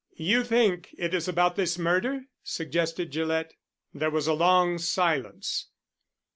"You think it is about this murder?" suggested Gillett. There was a long silence.